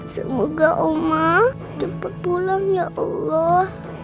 semoga allah dapat pulang ya allah